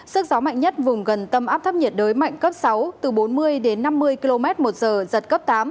sức gió mạnh nhất vùng gần tâm áp thấp nhiệt đới mạnh cấp sáu từ bốn mươi đến năm mươi km một giờ giật cấp tám